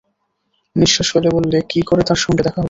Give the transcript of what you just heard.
নিশ্বাস ফেলে বললে, কী করে তাঁর সঙ্গে দেখা হবে।